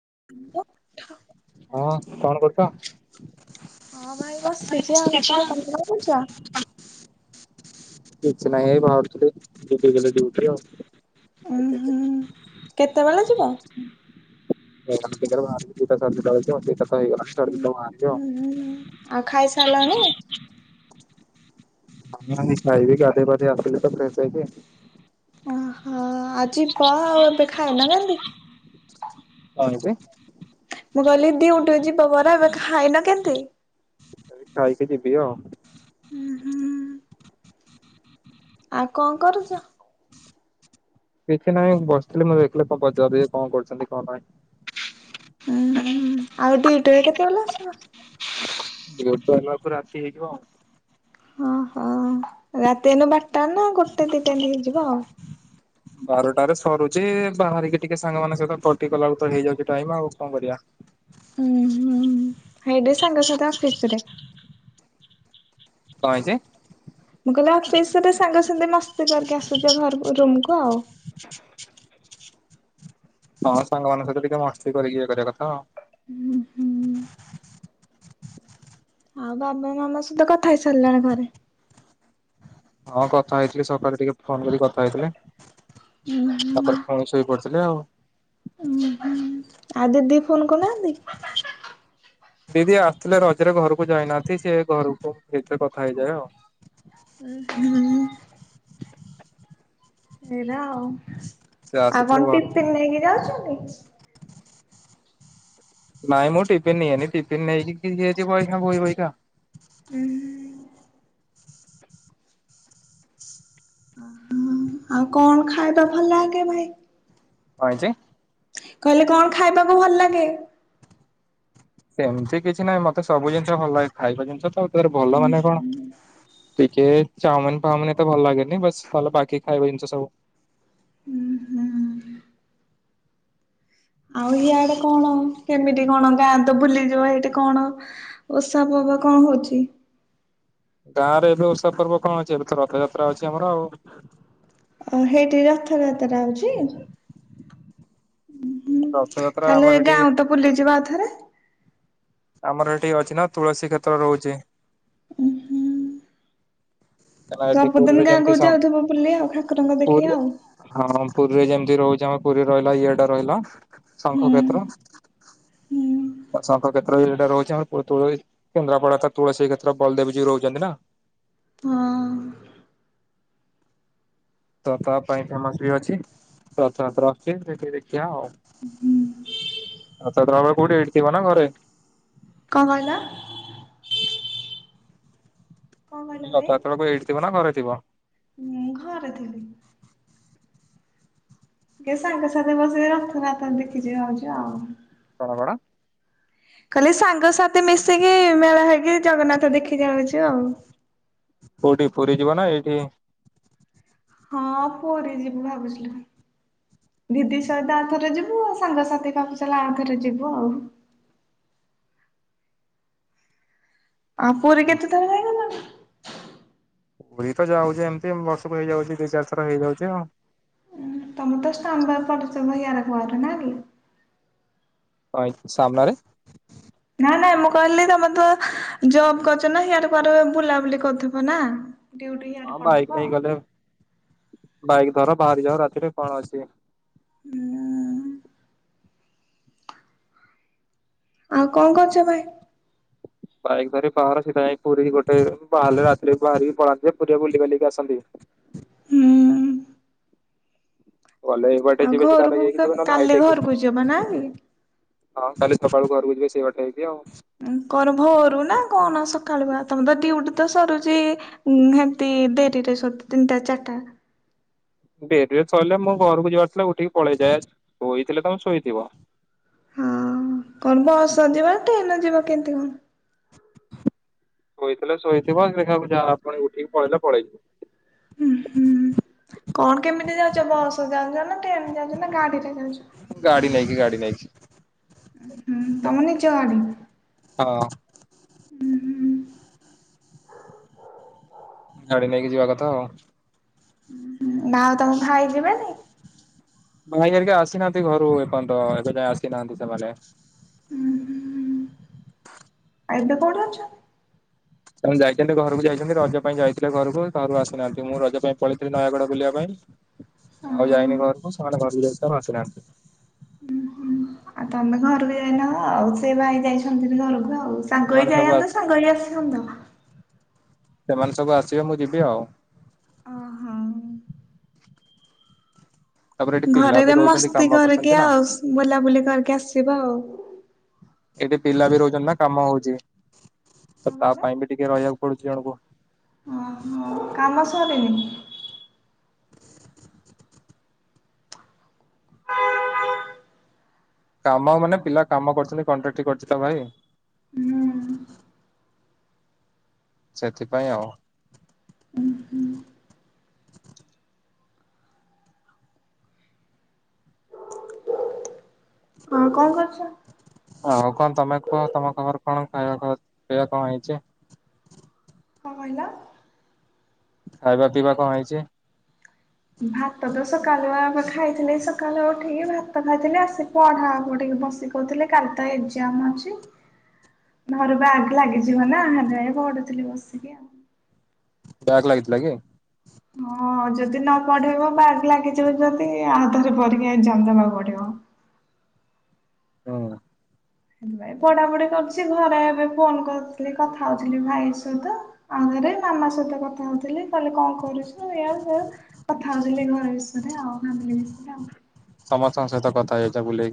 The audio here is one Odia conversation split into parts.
[unintelligible] ହଁ କଣ କରୁଛ? ହଁ ଭାଇ ବସିଛି ଆଉ ତମେ କ କରୁଚ? କିଛି ନାହିଁ ଏଇ ବାହାରୁଥିଲି। ଯିବି ଗଲେ ଡିଉଟି ରୁ ଆଉ। ଉଁ ହୁଁ କେତେବେଳେ ଯିବ? [unintelligible] ଉଁ ଉଁ ହୁଁ ଆଉ ଖାଇସାରିଲଣି? [unintelligible] ନାହିଁ ଖାଇବି ଗାଧେଇ ପାଧେଇ ଆସିଲି ତ ଫେସ ହେଇକି। ଓହୋ ଆଜି କହ ଆଉ ଏବେ ଖାଇନ କେମିତି। କଣ ହେଇଚି। ମୁଁ କହିଲି ଦିଉଟି ଯିବ ପରା ଏବେ ଖାଇନ କେମତି। ଏ ଖାଇକି ଯିବି ଆଉ। ହୁଁ ଆଉ କଣ କରୁଚ। କିଛି ନାହିଁ ମୁ ବସିଥିଲି ମୁଁ ଦେଖିଲି କଣ ପଚିବା କଣ କରୁଛନ୍ତି କଣ ନାହିଁ। ଉଁ ହୁଁ ଆଉ ଡିଉଟିରୁ କେତେବେଳେ ଆସିବ। ଗୋଟେ ହେଲା ପରେ ଆସି ହେଇଯିବ। ଓ ହୋ ରାତି ହେନେ ବାରଟା ନା ଗୋ ଗୋଟେ ଦିଇଟା ଦି ହେଇଯିବ ଆଉ। ବାରଟାରେରେ ସରୁଛି ବାହାରିକି ଟିକେ ସାଙ୍ଗମାନଙ୍କ ସହିତ ପଟିଗଲା ବେଳକୁ ତ ହେଇଯାଉଛି ଟାଇମ ଆଉ କଣ କରିବା। ହୁଁ ହୁଁ ହେଇଟି ସାଙ୍ଗ ସାଥି ଅଫିରେ କଣ ହେଇଚି। ମୁ କହିଲେ ଅଫିସରେ ସାଙ୍ଗ ସାଙ୍ଗେ ମସ୍ତି କରିକି ଆସୁଛ ଘର ରୁମ କୁ ଆଉ [inaudible] ହଁ ସାଙ୍ଗମାନଙ୍କ ସହିତ ଟିକେ ମସ୍ତି କରିକି ଇଏ କରିବା କଥା ଆଉ ବାବା ମାମା ସହିତ କଥା ହେଇ ସାରିଲାଣି ଘରେ। ହଁ କଥା ହେଇଥିଲି ସକାଳେ ଟିକେ ଫୋନ କରି କଥା ହେଇଥିଲେ। [inaudible] ତାପରେ ପୁଣି ଶୋଇପଡିଥିଲେ ଆଉ। ଆ ଦିଦି ଫୋନ କରିନାହାନ୍ତି। [inaudible] ଦିଦି ଆସିଥିଲେ ରଜରେ ଘରକୁ ଯାଇନାହାନ୍ତି ସେ ଘରକୁ ଏଥିରେ କଥା ହେଇଯାଏ ଆଉ। [unintelligible] ସେ ଆଉ ଆସିଥିଲେ କଣ ଘରୁ ଟିଫିନ ନେଇକି ଯାଉଛୁ [unintelligible] ନାଇଁ ମୁଁ ଟିଫିିନ ନିଏନି ଟିଫିନ ନେଇକି ଯିଛି ବୋହିଖା ବହି ବହିକା। ହୁଁ ହ ଓ ଆଉ କଣ ଖାଇବା ଭଲ ଲାଗେ ଭାଇ। କଣ ହେଇଚି। କହିଲେ କଣ ଖାଇବାକୁ ଭଲ ଲାଗେ। ସେମିତି କିଛି ନାଇଁ ମତେ ସବୁ ଜିନିଷ ଭଲ ଲାଗେ ଖାଇବା ଜିନିଷ ତ। ତର ଭଲ ମାନେ କଣ? ଟିକେ ଚାଓମିନ ଫାଓମିନ ଏତେ ଭଲ ଲାଗେନି ବାସ ଭଲ ବାକି ଖାଇବା ଜିନିଷ ସବୁ। ଉଁ ହୁଁ। ଆଉ ହିଆଡେ କଣ? କେମିତି କଣ ଯାଆନ ତ ବୁଲିଯିବ ହେଇଠି କଣ ଓଷା ପର୍ବ କଣ ହଉଛି? ଗାଁ ରେ ଏବେ ଉଷା ପର୍ବ କଣ ଅଛି ଏବେ ତ ରଥଯାତ୍ରା ଅଛି ଆମର ଆଉ। ଅ ହେଇଠି ରଥଯାତ୍ରା ହଉଛି। ହୁଁ ହୁଁ ରଥଯାତ୍ରା ତାହଲେ ଆମର ଗାଁ ଏଠି କୁ ତ ବୁଲିଯିବ ଆଉଥରେ? ଆମର ଏଠି ଅଛି ନା ତୁଳସୀ କ୍ଷେତ୍ର ରହୁଛି। କାରଣ ଏଠି ସବୁଦିନ ପୁରୀରେ ଗାଁ ଯେମିତି କୁ ସ ଯାଉଥିବ ବୁଲି ଆଉ ଠାକୁରଙ୍କ ପୁରୀ ଦେଖି ଆଉ। ହଁ ପୁରୀରେ ଯେମିତି ରହୁଛି ଆମ ପୁରୀ ରେ ରହିଲା ଇଆଡେ ରହିଲା। ଶଙ୍ଖ ହୁଁ କ୍ଷେତ୍ର। ହୁଁ ଶଙ୍ଖ କ୍ଷେତ୍ରରେ ସେଇଟା ରହୁଛି ଆମର ପୁରୀ ତୁଳସୀ କେନ୍ଦ୍ରାପଡା ତ ତୁଳସୀ କ୍ଷେତ୍ର ବଳଦେବଜୀଉ ରହୁଛନ୍ତି ନା। ହଁ। ତ ତା ପାଇଁ ଫେମସ ବି ଅଛି ରଥଯାତ୍ରା ହଉଅଛି ସେଠି ଦେଖିବା ଆଉ ରଥଯାତ୍ରା ବେଳେ କୋଉଠି ଏଇଠି ଥିବ ନା ଘରେ? କଣ କହିଲ? [unintelligible] କଣ ମୁଁ କହିଲି ରଥଯାତ୍ରା ବେଳକୁ ଏଇଠି ଥିବ ନା ଘରେ? ଥିବ ମୁଁ ଘରେ ଥିଲି। କେ ସାଙ୍ଗ ସାଥିରେ ବସିକି ରଥଯାତ୍ରା ଦେଖି ଯିବି ଭାବୁଚି ଆଉ। କଣ କଣ? କହିଲି ସାଙ୍ଗସଥି ମିଶିକି ମେଳା ହେଇ କି ଜଗନ୍ନାଥ ଦେଖି ଜାଉଛୁ ଆଉ। କୋଉଠି ପୁରୀ ଯିବ ନା ଏଇଠି ହଁ ପୁରୀ ଯିବୁ ଭାବୁଥିଲୁ ଦିଦି ସହିତ ଆଉ ଥରେ ଯିବୁ ଆଉ ସାଙ୍ଗସାଥି ଭାବୁଥିଲି ଆଉ ଥରେ ଯିବୁ ଆଉ। ଆଉ ପୁରୀ କେତେ ଥର ଯାଇସାଇଲଣୀ? ପୁରୀ ତ ଯାଉଛି ଏମିତି ବର୍ଷକୁ ହେଇଯାଉଛି ଦି ଚାରି ଥର ହେଇଯାଉଛି ଆଉ। ତମର ତ [unintelligible] କରୋନା ରେ। କଣ ହେଇଛି ସାମ୍ନାରେ? ନା ନାଇଁ ମୁଁ କହିଲି ତମେ ତ ଜବ କରୁଛ ନା ହିଆଡେ କୁଆଡେ ବୁଲାବୁଲି କରୁଥିବ ନା। ଡିୟୁଟି ହିଆଡେ ପଡୁଥିବ। ବାଇକ୍ ଧର ବାହାରି ଯାଅ ରାତିରେ କଣ ଅଛି। ହୁଁ। ଆଉ କଣ କରୁଛ ଭାଇ? ବାଇକ୍ ଧରି ବାହାର ସିଧା ଯାଇ ପୁରୀ ଗୋଟେ ବାହାରିଲ ରାତିରେ ବାହାରିକି ପଳାନ୍ତି ଯେ ପୁରୀରେ ବୁଲି ବାଲିକି ଆସନ୍ତି। ହୁଁ। ଗଲେ ଏଇ ବାଟେ ଆଉ ଯିବେ ସିଧା ଘରକୁ ହେଇକି କ ଯିବେ ନହେଲେ କାଲି ହାଇଟେକ୍ ହେଇକି ଘରକୁ ଯିବ ନାଁ କି? ହଁ କାଲି ସକାଳୁ ଘରକୁ ଯିବି ସେଇ ବାଟେ ହେଇକି ଆଉ। ଉଁ କଣ ଭୋରୁ ନା କଣ ସକାଳୁ ବା ତମେ ତ ଡିୟୁଟି ତ ସରୁଛି ଉଁ ହେଟି ଡେରିରେ ସରୁଛି ତିନିଟା ଚାରିଟା। ଡେରିରେ ସରିଲଲେ ମୁଁ ଘରକୁ ଯିବାର ଥିଲେ ଉଠିକି ପଳେଇଯାଏ ଶୋଇଥିଲେ ତମେ ଶୋଇଥିବ। ହଁ କଣ ବସ ଯିବା ନା ଟ୍ରେନରେ ଯିବା କେମତି କଣ ଶୋଇଥିଲେ ଶୋଇଥିବ ଦେଖିଲାବେଳକୁ ଯା ପୁଣି ଉଠିକି ପଳେଇଲେ ପଳେଇିବ। ଉଁ ହୁଁ କଣ କେମିତି ଯାଉଛ ବସରେ ଯାଉଛ ନା ଟ୍ରେନରେ ଯାଉଛ ନା ଗାଡି ଗାଡି ନେଇଁକି ଗାଡି ନେଇକି ହୁଁ ତମ ନିଜ ଗାଡି। ହଁ ହୁଁ ହୁଁ। ଗାଡି ନେଇକି ଯିବା କଥା ଆଉ। ହୁଁ। ଉଁ ହୁଁ ନା ଆଉ ତମ ଭାଇ ଯିବେନି। ଭାଇରିକ ଆସିନାହାନ୍ତି ଘରୁ ଏପର୍ଯ୍ୟନ୍ତ ଏବେ ଯାଏ ଆସିନାହାନ୍ତି ସେମାନେ ଉଁ ହୁଁ ଆଉ ଏବେ କଉଁଠୁ ଅଛ? ତା ଯାଇଛନ୍ତି ଘରକୁ ଯାଇଛନ୍ତି ରଜ ପାଇଁ ଯାଇଥିଲେ ଘରକୁ ଘର ଆସିନାହାନ୍ତି ମୁଁ ରଜ ପାଇଁ ପଳେଇଥିଲି ନୟାଗଡ ବୁଲିବା ପାଇଁ। ଆଉ ଯାଇନି ଘରକୁ ସାମାନେ ଘରକୁ ଯାଇଛନ୍ତି ଆସିନାହାନ୍ତି। ଆଉ ତମେ ଘରକୁ ଯାଇନ ଆଉ ସେ ଭାଇ ଯାଇଛନ୍ତି ଘରକ ହଉ ସାଙ୍ଗ ହେଇ ସେମାନେ ସବୁ ଯାଆନ୍ତ ଆସି ସାଙ୍ଗ ହେଇ ଆସନ୍ତି ସେମାନେ ସବୁ ଆସିବେ ମୁଁ ଯିବି ଆଉ। ଓହୋ। ତାପରେ ଏଠି ପିଲା ବି ଘରେରେ ରହୁଛନ୍ତି ମସ୍ତି କାମ କରୁଛନ୍ତି କରିକି ନା ଆଉ ବୁଲାବୁଲି କରିକି ଆସିବ ଆଉ। ଏଠି ପିଲା ବି ରହୁଛନ୍ତି ନା କାମ ହଉଛି। କଣ ତ ତା ପାଇଁ ବି ଟିକେ ରହିବାକୁ ପଡୁଛି ଜଣକୁ ଓହ କାମ ସରିନି? [inaudible] କାମ ମାନେ ପିଲା କାମ କରୁଛନ୍ତି କଣ୍ଟ୍ରାଟ କରୁଛି ତ ଭାଇ ହୁଁ। ସେଥିପାଇଁ ଆଉ ହଁ କଣ କରୁଛ। ଆଉ କଣ ତମେ କୁହ ତମ ଖବର କଣ ଖାଇବା ପିଇବା କଣ ହେଇଛି। କଣ କହିଲ। ଖାଇବା ପିଇବା କଣ ହେଇଛି। ଭାତ ତ ସକାଳୁ ଆ ଖାଇଥିଲ ସକାଳୁ ଉଠିକି ଭାତ ଖାଇଥିଲି ଆସିିକ ପଢାକୁଠିକି ବସି କହୁଥିଲେ କାଲି ତ ଏକ୍ଜାମ ଅଛି ଘରୁ ବ୍ୟାଖ୍ ଲାଗିଯିବ ନା ଆ ପଢୁଥିଲି ବସିକି ଆଉ ବ୍ୟାଗ ଲାଗିଥିଲା କି? ହଁ ଯଦି ନ ପଢେଇବ ବାଗ ଲାଗିଯିବ ଯଦି ଆାତରେ ପରିକି ଏକ୍ଜାମ ଦେବାକୁ ପଡିବ। ହୁଁ ହେ ଭାଇ ପଢାପଢି କରୁଛି ଘରେ ଏବେ ଫୋନ କରିଥିଲି କଥା ହଉଥିଲି ଭାଇ ସହିତ ଆଉରେ ମାମା ସହିତ କଥା ହଉଥିଲି କହଲେ କଣ କରୁଛୁ କଥା ହଉଥିଲି ଘ ବିଷୟରେ ଆଉାମ ବିଷୟରେ ଆଉ। ସମସ୍ତଙ୍କ ସହିତ କଥା ହେଇଛ ବୁଲେଇ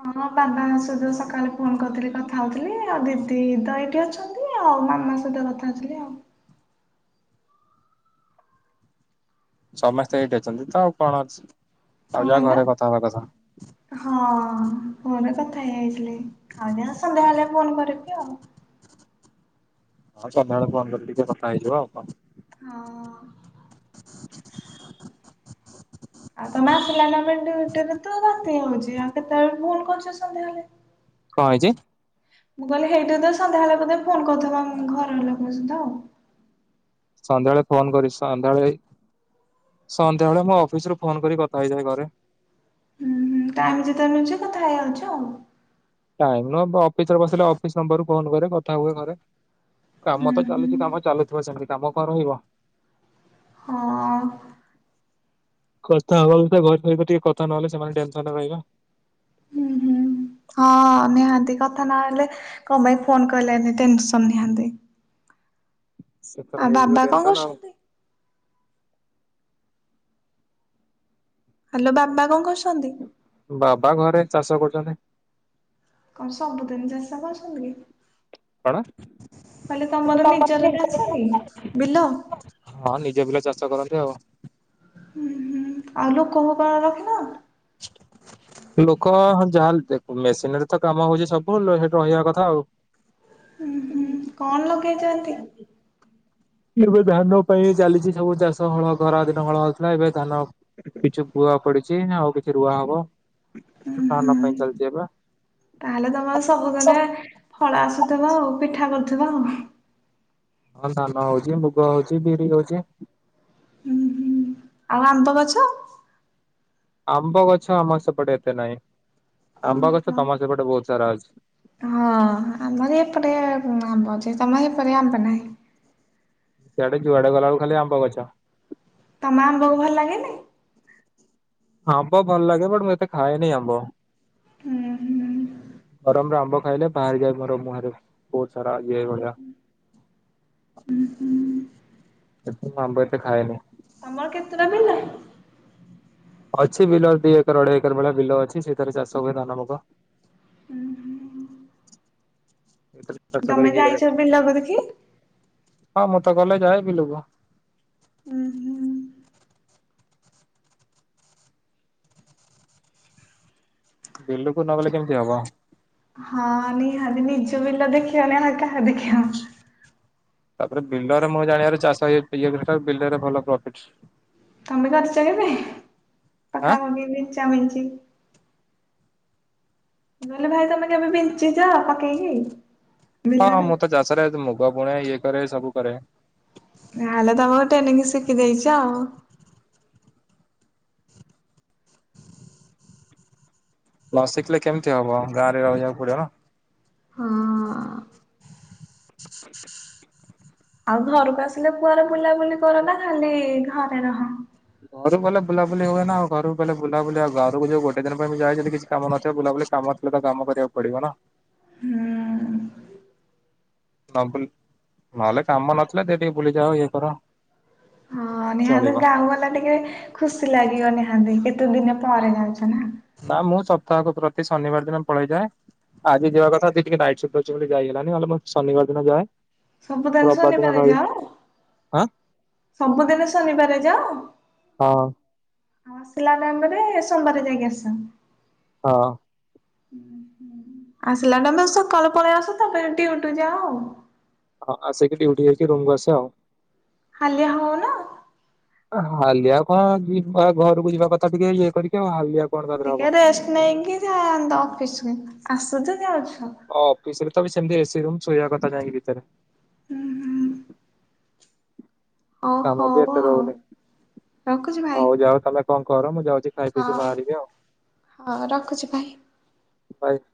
ହଁ ହଁ ବାବା ସକାଳେ ଫୋନ କରିଥିଲି କଥା ହଉଥିଲି ଆଉ ଦିଦି ଦହିଟି ଅଛନ୍ତି ଆଉ ମାମା ସହିତ କଥା ହଉଥିଲି ଆଉ। ସମସ୍ତେ ଏଇଠି ଅଛନ୍ତି ତ ଆଉ କଣ ଅଛି। ଆଉ ଯାହା କଣ କଇଲ ଘରେ କଥା ହବା କଥା ହଁ ଘରେ କଥା ହେଇଯାଇଥିଲି ଆଉ ଯା ସନ୍ଧ୍ୟା ବଳେ ଫୋନ କରିବି ଆଉ। ହଁ ସନ୍ଧ୍ୟା ବେଳେ ଫୋନ୍ କରିକି ଟିକେ କଥା ହେଇଯିବ ଆଉ କଣ। ହଁ। [inaudible] ଆଉ ତମେ ଆସିଲ ନା ମେଣ୍ଡି ଭଣ୍ଡିରେ ତ ବାତି ହଉଛି ଆଉ କେତେବେଳେ ଭୁଲ କରୁଛ ସନ୍ଧ୍ୟା ହେଲେ କଣ ହେଇଛି? ମୁଁ କହିଲି ହେଇଠି ସନ୍ଧ୍ୟା ବେଳେ ବୋଧେ ଫୋନ କରିବା ଘର ଲୋକଙ୍କ ସତ ଆଉ ସନ୍ଧ୍ୟାବେଳେ ଫୋନ କରି ସନ୍ଧ୍ୟାବେଳେ ସନ୍ଧ୍ୟାବେଳେ ମୋ ଅଫିସ ରୁ ଫୋନ କରି କଥା ହେଇଯାଏ ଘରେ। ହୁଁ ହୁଁ ଟାଇମ ଯେତେ ନୁଛି କଥା ହେଇଯାଉଛୁ ଆଉ ଟାଇମ ନୁହଁ ଅଫିସରେ ବସିଲେ ଅଫିସ ନମ୍ବରୁ ଫୋନ କରେ କଥା ହୁଏ ଘରେ ହୁଁ କାମ ତ ଚାଲୁଛି ହୁଁ କାମ ଚାଲୁଥିବ ସେମିତି କାମ କଣ ରହିବ। ହଁ। କଥା ହବାଥା ଘରେ ସ ଟିକେ କଥା ନହେଲେ ସେମାନେ ଟେନସନ ହେବେକି କଣ ହୁଁ ହୁଁ ହଁ ନିହାନ୍ତି କଥା ନହେଲେ କଣ ପାଇଁ ଫୋନ କହିଲି ଟେନସ ନିହାନ୍ତି। ସେତ ରହିବି ତ ଟେନସନ ଆଉ କରୁଛନ୍ତି? ହ୍ୟାଲୋ ବାବା କଣ କରସ ବାବା ଘରେ ଚାଷ କର। [unintelligible] କଣ ସବୁଦିନ ଚାଷ କରଛନ୍ତି କି? କଣ କହିଲେ ତମର ହଁ ନିଜର ନିଜେ ଚାଷ କି ବିଲ? ପିଲା ଚାଷ କରନନ୍ତି। [unintelligible] ହୁଁ ହୁଁ ଆଉ ଲୋକ କଣ ରଖିନ? ଲୋକ ଯାହା ମେସିନରେ ତ କାମ ହଉଛି ସବୁ ସେଠି ରହିବା କଥା ଆଉ ହୁଁ ହୁଁ କଣ ଲଗେଇଛନ୍ତି? ଏବେ ଧାନ ପାଇଁ ଚାଲିଛି ସବୁ ଚାଷ ହଳ ଖରା ଦିନ ହଳ ହଉଥିଲା ଏବେ ଧାନ କିଛି ବୁଆ ପଡିଛି ଆଉ କିଛି ରୁଆ ହବ। ଉଁ ନା ନା ହୁଁ ପାଇଁ ଚାଲିଛି ଏବେ ତାହେଲେ ତମର ସବୁଦିନେ ଫଳ ଆସୁଥିବା ଆଉ ପିଠା କରୁଥିବା ଆଉ ହୁଁ। ହଁ ନାନ ହଉଛି ମୁଗ ହଉଛି ବିରି ହଉଛି ହୁଁ ହୁଁ ଆଉ ଆନ୍ତ ଗଛ ଆମ୍ବ ଗଛ ଆମ ସେପଟେ ଏତେ ନାହିଁ ଆମ୍ବ ଗଛ ଓହୋ। ତମର ସେପଟେ ବହୁତ ସାରା ଅଛି। ହଁ ଆମର ଏପଟେ ଆମ୍ବ ତମ ଏ ପରି ଆମ୍ବ ନାହିଁ। ସିଆଡେ ଯୁଆଡେ ଗଲାବେଳୁ ଖାଲି ଆମ୍ବ ଗଛ। ତମ ଆମ୍ବକୁ ଭଲ ଲାଗେନି? ହମ୍ବ ଭଲ ଲାଗେ ବଟ ମୁଁ ଏତେ ଖାଏନି ଆମ୍ବ ହୁଁ ହୁଁ। ଗରମରେ ଆମ୍ବ ଖାଇଲେ ବାହାରି ଯାଏ ମୋର ମୁହଁରେ ବହୁତ ସାରା ଇଏଇ ଭଳିଆ ହୁଁ ହୁଁ ମୁଁ ଆମ୍ବ ଏତେ ଖାଏନି। ଆମର କେତେଟା ପିଲା? ଅଛି ବିଲ ଦି ଏକର ଅଢେଇ ଏକର ଭଳିଆ ବିଲ ଅଛି ସେଥିରେ ଚାଷ ହୁଏ ଧାନ ବଗ। ତମେ ଯାଇଛ ବିଲକୁ ଦେଖି? ହଁ ମୁଁ ତ ଗଲେ ଯାଏ ବିଲ କୁ ଉଁ ହୁଁ। ବିଲକୁ ନବେଲେ କେମିତି ହବ। ହଁ ନିହାତି ନିଜ ବିଲା ଦେଖିବା ନା ନା କାହା ଦେଖିବା। ତାପରେ ବିଲରେ ମୁଁ ଜାଣିବାରୁ ଚାଷ ଇଏ ବିଲର ରେ ଭଲ ପ୍ରଫିଟ। ତମେ କରିଛ କେବେ? ଆଁ ପକା ବଗେଇ ବି ଚାମିିନ କହିଲେ ଭାଇ ତମେ କେବେ ବିଞ୍ଚିଛ ପକେଇକି? ହଁ ବିଲରେ? ମୋତ ଚାଷରେ ମୁଗ ପୁଣ ଇଏ କରେ ସବୁ କରେ ନଁଲେ ତମଟ ଏନଙ୍ଗି ଶିଖି ଯାଇଚ। ନ ଶିଖିଲେ କେମିତି ହବ ଗାଁରେ ରହିବାକୁ ପଡିବନା। ହଁ। [inaudible] ଆଉ ଘରକୁ ଆସିଲେ କୁଆରେ ବୁଲାବୁଲି କର ନା ଖାଲି ଘରେ ରହ। ଘରୁ ବୋଇଲେ ବୁଲାବୁଲି ହୁଏ ନା ଆଉ ଘର ବଲେ ବୁଲାବୁଲି ଆଉ ଘରକୁ ଯୋଉ ଗୋଟେ ଦିନ ପାଇଁ ଯାଇଏ ଯଦି କିଛି କାମ ନିବ ବୁଲାବୁଲି କାମ ଥିଲେ ତ କାମ କରିବାକୁ ପଡିବ ନା। [inaudible] ହୁଁ ନ ବୁଲି ନହେଲେ କାମ ନଥିଲେ ଦେ ଟିକେ ବୁଲିଯାଅ ଇଏ କର। ହଁ ନିହାତି ଚଳିବ। ଗାଁ ବାଲା ଟିକେ ଖୁସି ଲାଗିବ ନିହାତି କେତେ କେତେ ଦିନ ପରେ ଯାଉଛ ନା ନା ମୁଁ ସପ୍ତାହକ ପ୍ରତି ଶନିବାର ଦିନ ପଳେଇଯାଏ ଆଜି ଯିବା କଥା ଟିକେ ନାଇଟ୍ ସୁ ଅଛି ବୋଲି ଯାଇଗଲାାନି ହେଲେ ମୁଁ ଶନିବାର ଦିନ ଯାଏ। ସବୁଦିନ ରବିବାର ଦିନ ଶନିବାରେ ରହି ଯାଅ ହଁ [inaudible] ସବୁଦିନ ଶନିବାରେ ଯାଅ। ଆଉ ହଁ ଆସିଲା ନାଇରେ ସୋମବାର ଯାଇକି ଆସନ୍। ହଁ। [inaudible] ଆସିଲା ଟମେ ସକାଳେ ପଳେଇ ଆସ ତାପରେ ଦିୟୁଟି ଯାଅ ଆଉ। ହଁ ଆସିକି ଡିୁଟି ହେଇକି ରୁମକୁୁ ଆସେ ଆଉ। ହାଲିଆ ହୋଉନ। ହାଲିଆ କଣ ଯିବା ଘରକୁ ଯିବା କଥା ଟିକେ ଇଏ କରିକି ଆଉ ହାଲିଆ କଣ ତାରେ ହବ। ଟିକେ ରେଷ୍ଟ ନେଇକି ଯାନ୍ତ ଅଫିସ ଆସ [unintelligible] ଅଫିସରେ ସେମିତି ଏ ସି ରୁମ୍ ଶୋଇବା କଥା ଯାଇକି ଭିତରେ। [inaudible] ଓ କାମ ବି ହଉ ଏତେ ଆଉ ରହୁନି ରଖୁଛି ଭାଇ। ହୋଉ ଯାଅ ତମ କଣ କର ମୁଁ ଯାଉଚି ଖାଇ ପିଇକି ହଉ ବାହାରିବି ଆଉ ହଉ ରଖୁଛି ଭାଇ। [inaudible] ଭାଇ